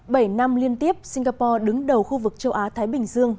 bảy năm liên tiếp singapore đứng đầu khu vực châu á thái bình dương